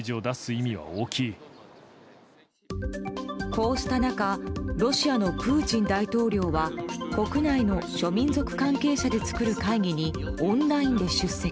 こうした中ロシアのプーチン大統領は国内の諸民族関係者で作る会議にオンラインで出席。